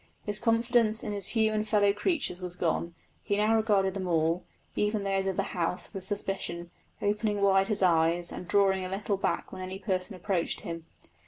His confidence in his human fellow creatures was gone; he now regarded them all even those of the house with suspicion, opening wide his eyes and drawing a little back when any person approached him.